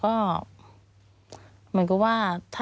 มันจอดอย่างง่ายอย่างง่าย